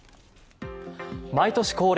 毎年恒例